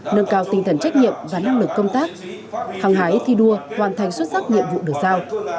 nâng cao tinh thần trách nhiệm và năng lực công tác hăng hái thi đua hoàn thành xuất sắc nhiệm vụ được giao